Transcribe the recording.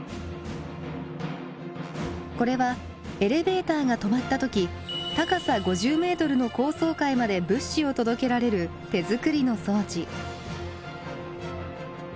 これはエレベーターが止まった時高さ５０メートルの高層階まで物資を届けられる手作りの装置。